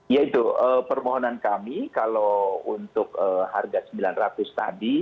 ya itu permohonan kami kalau untuk harga rp sembilan ratus tadi